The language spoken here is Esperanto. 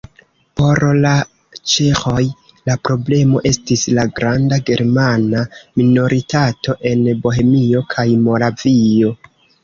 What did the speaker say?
Por la ĉeĥoj la problemo estis la granda germana minoritato en Bohemio kaj Moravio.